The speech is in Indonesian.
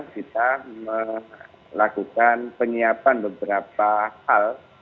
kita melakukan penyiapan beberapa hal